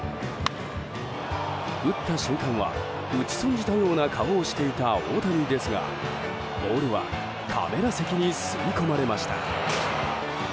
打った瞬間は、打ち損じたような顔をしていた大谷ですがボールはカメラ席に吸い込まれました。